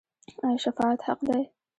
آیا شفاعت حق دی؟